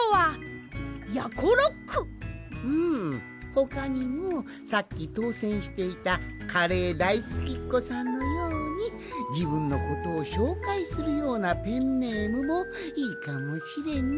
ほかにもさっきとうせんしていたカレー大好きっこさんのようにじぶんのことをしょうかいするようなペンネームもいいかもしれんな。